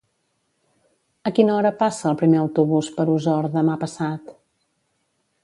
A quina hora passa el primer autobús per Osor demà passat?